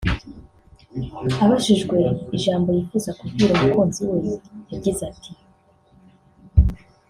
Abajijwe ijambo yifuza kubwira umukunzi we yagize ati